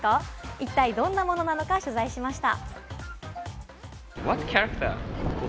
いったいどんなものなのか取材しました。